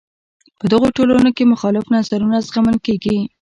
په دغو ټولنو کې مخالف نظرونه زغمل کیږي.